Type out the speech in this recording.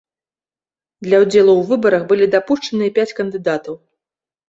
Для ўдзелу ў выбарах былі дапушчаныя пяць кандыдатаў.